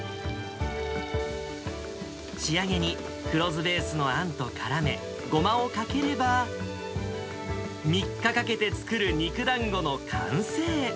仕上げに黒酢ベースのあんとからめ、ごまをかければ、３日かけて作る肉だんごの完成。